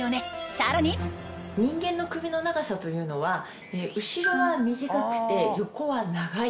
さらに人間の首の長さというのは後ろは短くて横は長い。